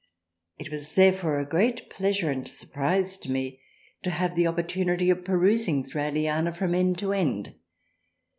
It was therefore a great pleasure and surprise to me to have the opportunity of perusing " Thraliana " from end to end.